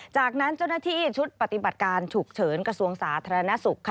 จากนั้นเจ้าหน้าที่ชุดปฏิบัติการฉุกเฉินกระทรวงสาธารณสุข